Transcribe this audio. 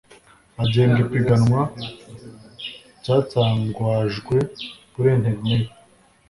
agenga ipiganwa cyatangwajwe kuri interineti